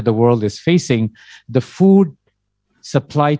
kegagalan yang dihadapi dunia